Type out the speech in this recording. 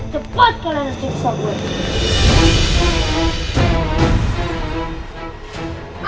cepat kalian mencipta gue